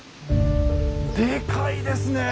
でかいですねえ